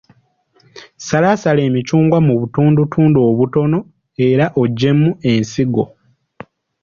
Salaasala emicungwa mu butundutundu obutono, era oggyemu ensigo.